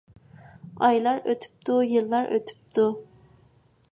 ئايلار ئۆتۈپتۇ، يىللار ئۆتۈپتۇ.